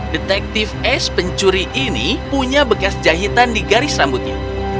detektif ace pencuri ini punya bekas jahitan di garis rambutnya